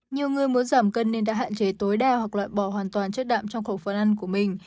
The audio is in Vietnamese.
nhiều người muốn giảm cân nên đã hạn chế tối đa hoặc loại bỏ hoàn toàn chất đạm trong khẩu phân ăn của mình